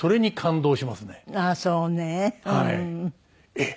えっ？